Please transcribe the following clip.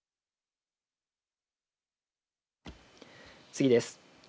次です。